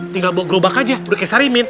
tinggal bawa gerobak aja udah kayak sari mint